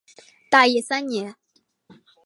大业三年。